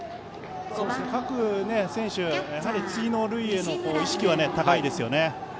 各選手、やはり次の塁への意識は高いですよね。